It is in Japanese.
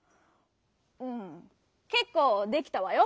うん「けっこうできた」わよ。